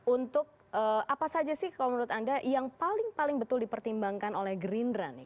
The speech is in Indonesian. untuk apa saja sih kalau menurut anda yang paling paling betul dipertimbangkan oleh gerindra nih